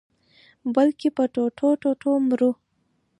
بلکي په ټوټو-ټوټو مرو